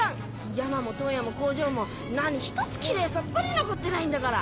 山も問屋も工場も何ひとつきれいさっぱり残ってないんだから。